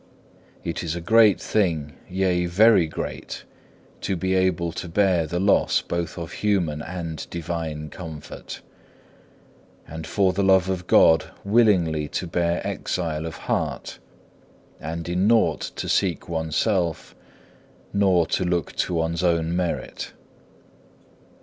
It is a great thing, yea very great, to be able to bear the loss both of human and divine comfort; and for the love of God willingly to bear exile of heart, and in nought to seek oneself, nor to look to one's own merit.